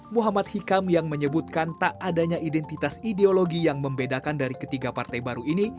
muhammad hikam yang menyebutkan tak adanya identitas ideologi yang membedakan dari ketiga partai baru ini